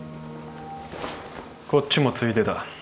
こっちもついでだ